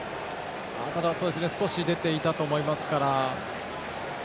少し出ていたと思いますから。